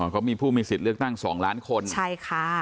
เขามีผู้มีสิทธิ์เลือกตั้ง๒ล้านคนใช่ค่ะ